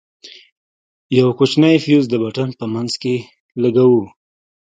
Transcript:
يو کوچنى فيوز د پټن په منځ کښې لگوو.